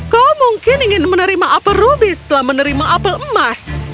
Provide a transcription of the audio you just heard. kau mungkin ingin menerima apel ruby setelah menerima apel emas